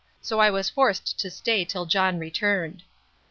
So I was forced to stay till John returned.